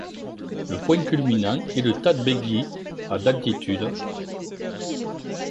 Le point culminant est le Ta' Dbiegi à d'altitude.